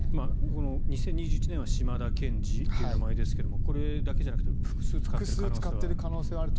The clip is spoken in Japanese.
２０２１年はシマダ・ケンジという名前ですがこれだけじゃなくて複数使っていた可能性もあると。